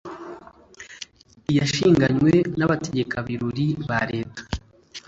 Iyashinganywe nabategekabirori ba Leta